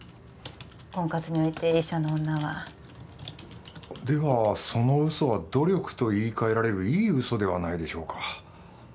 婚活において医者の女はではその嘘は努力と言いかえられるいい嘘ではないでしょうか